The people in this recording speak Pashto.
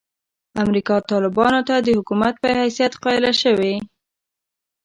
امریکا طالبانو ته د حکومت په حیثیت قایله شوې.